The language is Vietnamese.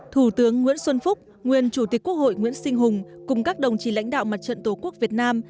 thủ tướng nguyễn xuân phúc nguyên chủ tịch quốc hội nguyễn sinh hùng cùng các đồng chí lãnh đạo mặt trận tổ quốc việt nam